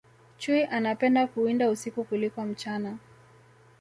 chui anapenda kuwinda usiku kuliko mchana